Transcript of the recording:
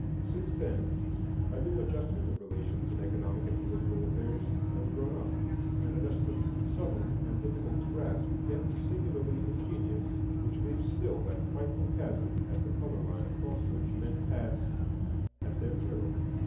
Since then a new adjustment of relations in economic and political affairs has grown up,—an adjustment subtle and difficult to grasp, yet singularly ingenious, which leaves still that frightful chasm at the color line across which men pass at their peril.